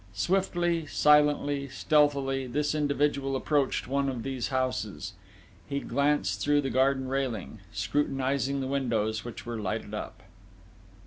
Swiftly, silently, stealthily, this individual approached one of these houses. He glanced through the garden railing, scrutinising the windows which were lighted up.